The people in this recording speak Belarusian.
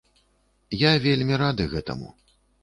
Я вельмі рады гэтаму.